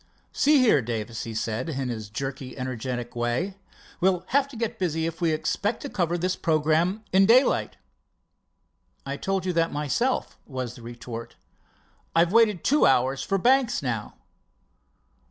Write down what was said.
"See here, Davis," he said in his jerky, energetic way, "we'll have to get busy if we expect to cover the programme in daylight." "I told you that myself," was the retort. "I've waited two hours for Banks now."